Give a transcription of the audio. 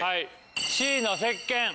Ｃのせっけん。